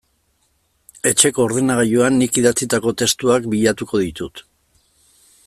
Etxeko ordenagailuan nik idatzitako testuak bilatuko ditut.